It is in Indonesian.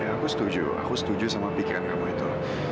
aku setuju aku setuju sama pikiran kamu itu